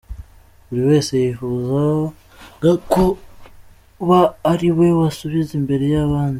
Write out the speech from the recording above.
Buri wese yifuzaga kuba ari we wasubiza mbere y’abandi.